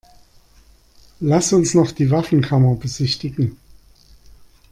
Lass uns noch die Waffenkammer besichtigen.